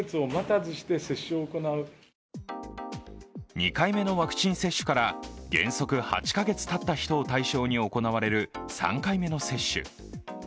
２回目のワクチン接種から原則８カ月がたった人を対象に行われる３回目の接種。